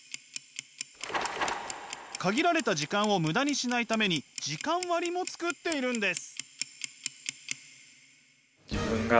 限られた時間を無駄にしないために時間割も作っているんです。